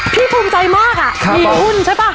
ภูมิใจมากมีหุ้นใช่ป่ะ